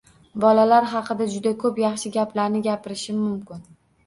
— Bolalar haqida juda koʻp yaxshi gaplarni gapirishim mumkin.